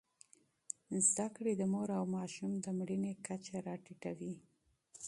زدهکړې د مور او ماشوم د مړینې کچه راټیټوي.